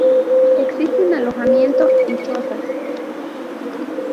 Existen alojamiento y chozas.